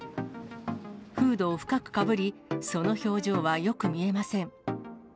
フードを深くかぶり、その表情はよく見えません。